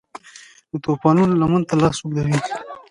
د توپانونو لمن ته لاس اوږدوي